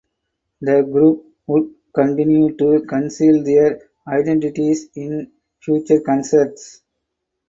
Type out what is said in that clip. The group would continue to conceal their identities in future concerts.